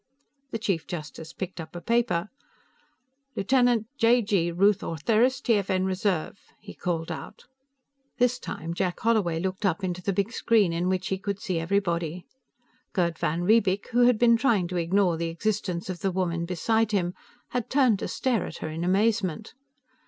The Chief Justice picked up a paper. "Lieutenant j.g. Ruth Ortheris, TFN Reserve," he called out. This time, Jack Holloway looked up into the big screen, in which he could see everybody. Gerd van Riebeek, who had been trying to ignore the existence of the woman beside him, had turned to stare at her in amazement.